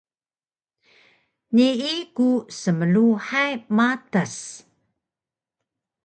Nii ku smluhay matas